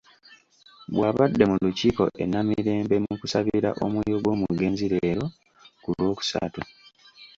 Bw'abadde mu Lukikko e Namirembe mu kusabira omwoyo gw'omugenzi leero ku Lwokusatu.